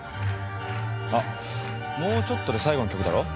あっもうちょっとで最後の曲だろ？